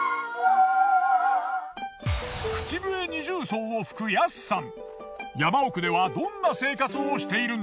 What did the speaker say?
口笛二重奏を吹くヤスさん。